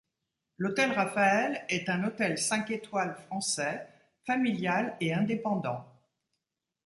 L’hôtel Raphael est un hôtel cinq étoiles français, familial et indépendant.